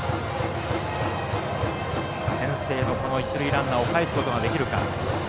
先制の一塁ランナーをかえすことができるか。